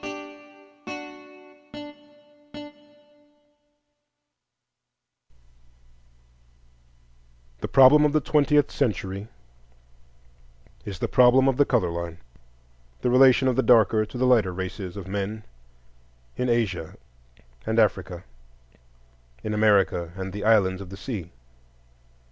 LOWELL. The problem of the twentieth century is the problem of the color line,—the relation of the darker to the lighter races of men in Asia and Africa, in America and the islands of the sea.